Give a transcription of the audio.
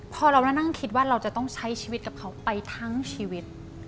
พอเรามานั่งคิดว่าเราจะต้องใช้ชีวิตกับเขาไปทั้งชีวิต